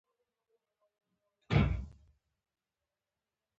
د قبر له پاسه یوه توره ټوټه غوړېدلې وه.